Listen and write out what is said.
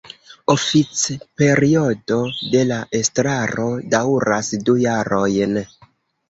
Oficperiodo de la estraro daŭras du jarojn.